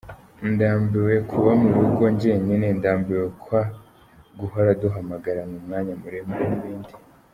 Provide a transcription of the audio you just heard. Ndambiwe kuba mu rugo njyenyine, ndambiwe kwa guhora duhamagarana umwanya muremure n’ibindi.